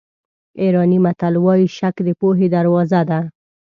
ایراني متل وایي شک د پوهې دروازه ده.